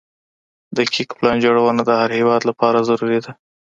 دقيق پلان جوړونه د هر هيواد لپاره ضروري ده.